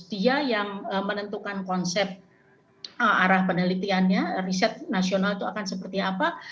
dia yang menentukan konsep arah penelitiannya riset nasional itu akan seperti apa